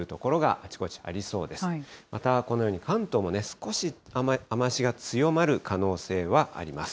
また、このように関東もね、少し雨足が強まる可能性はあります。